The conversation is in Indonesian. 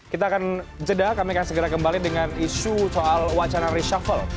kita akan jeda kami akan segera kembali dengan isu soal wacana reshuffle